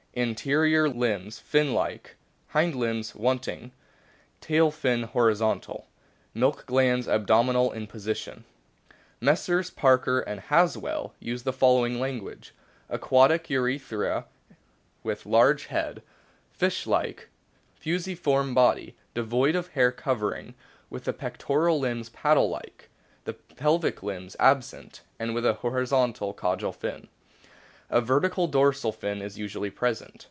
Anterior limbs fin like, hind limbs wanting. Tail fin horizontal. Milk glands abdominal in position." Messrs. Parker and Haswellt use the following o language : ''Aquatic Eutheria, with large head, fish like, fusiform body, devoid of hairy covering, with the pectoral limbs paddle like, the pelvic limbs absent, and with a horizontal caudal fin. A vertical dorsal fin is usually present.